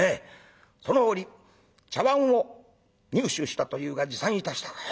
「その折茶碗を入手したというが持参いたしたか？」。